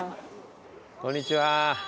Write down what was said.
こんにちは。